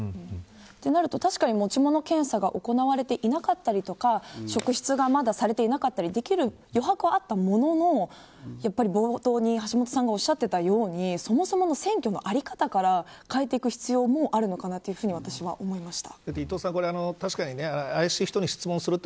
となると確かに持ち物検査が行われていなかったりとか職質がまだされていなかったりできる余白はあったもののやはり冒頭に橋下さん言っていたようにそもそもの選挙の在り方から変えていく必要もあるのかなと私は思いました。